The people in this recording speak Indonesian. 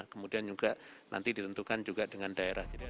kemudian juga nanti ditentukan juga dengan daerah